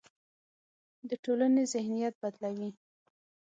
د ټولنې ذهنیت بدلوي.